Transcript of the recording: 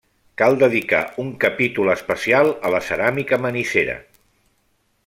Cal dedicar un capítol especial a la ceràmica manisera.